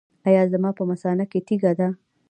ایا زما په مثانه کې تیږه ده؟